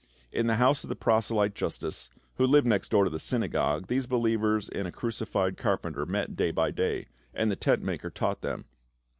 In the house of the proselyte Justus, who lived next door to the synagogue, these believers in a crucified carpenter met day by day, and the tent maker taught them.